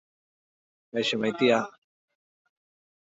Kaixo, maitia.